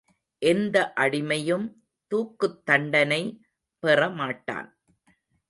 எந்த அடிமையும் தூக்குத் தண்டனை பெறமாட்டான்.